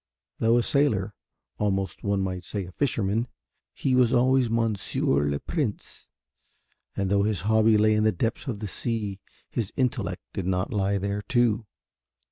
Though a sailor, almost one might say a fisherman, he was always Monsieur le Prince and though his hobby lay in the depths of the sea his intellect did not lie there too.